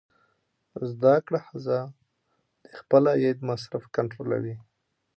زده کړه ښځه د خپل عاید مصرف کنټرولوي.